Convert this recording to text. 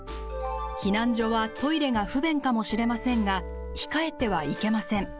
避難所はトイレが不便かもしれませんが控えてはいけません。